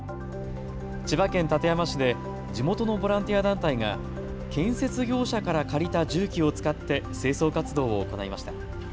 千葉県館山市で地元のボランティア団体が建設業者から借りた重機を使って清掃活動を行いました。